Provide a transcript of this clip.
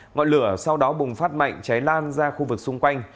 ngọn lửa sau đó bùng phát mạnh cháy lan ra khu vực xung quanh